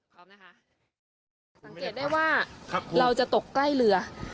พร้อมนะคะสังเกตได้ว่าเราจะตกใกล้เรือ